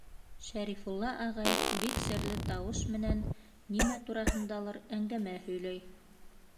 Шәрифулла ағай бик серле тауыш менән нимә тураһындалыр әңгәмә һөйләй.